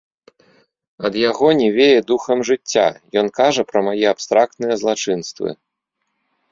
Ад яго не вее духам жыцця, ён кажа пра мае абстрактныя злачынствы.